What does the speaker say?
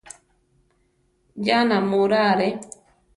Ya námura are!